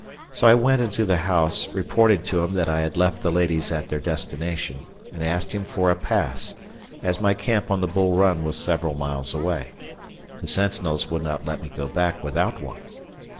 So I went into the house, reported to him that I had left the ladies at their destination, and asked him for a pass, as my camp on the Bull Run was several miles away. The sentinels would not let me go back without one.